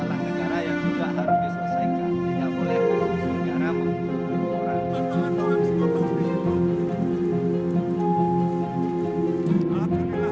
yang sedang dipelajari